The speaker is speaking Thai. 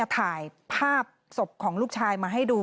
ถ่ายภาพศพของลูกชายมาให้ดู